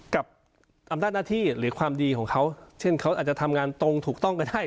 กับอำนาจหน้าที่หรือความดีของเขาเช่นเขาอาจจะทำงานตรงถูกต้องก็ได้